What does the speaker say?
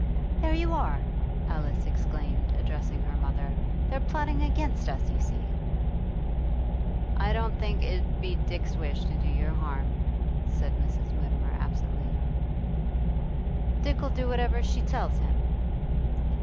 'There you are!' Alice exclaimed, addressing her mother. 'They're plotting against us, you see.' 'I don't think it 'ud be Dick's wish to do you harm,' said Mrs. Mutimer absently. 'Dick 'll do whatever she tells him.